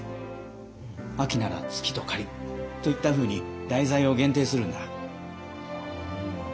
秋なら「月と雁」といったふうに題材を限定するんだ。